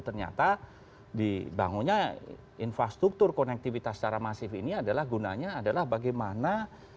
ternyata dibangunnya infrastruktur konektivitas secara masif ini adalah gunanya adalah bagaimana